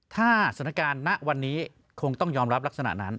ถ้าสถานการณ์ณวันนี้คงต้องยอมรับลักษณะนั้น